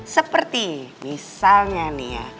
seperti misalnya nih ya